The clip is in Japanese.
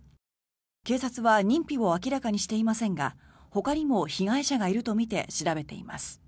警察は認否を明らかにしていませんがほかにも被害者がいるとみて調べています。